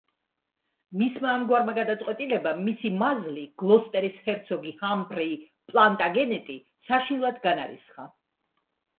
მისმა ამგვარმა გადაწყვეტილებამ მისი მაზლი, გლოსტერის ჰერცოგი ჰამფრეი პლანტაგენეტი საშინლად განარისხა.